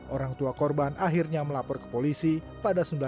orang tua korban akhirnya melapor ke polisi pada sembilan desember dua ribu dua puluh dua